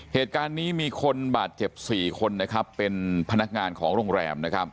เหตุการณ์นี้มีคนบาดเจ็บ๔คนนะครับเป็นพนักงานของโรงแรมนะครับ